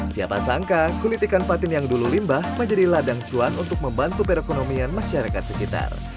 siapa sangka kulit ikan patin yang dulu limbah menjadi ladang cuan untuk membantu perekonomian masyarakat sekitar